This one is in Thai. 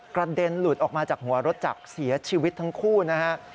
เด็นหลุดออกมาจากหัวรถจักรเสียชีวิตทั้งคู่นะฮะ